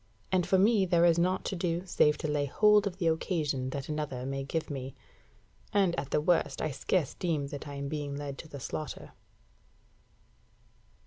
and for me there is nought to do save to lay hold of the occasion that another may give me. And at the worst I scarce deem that I am being led to the slaughter.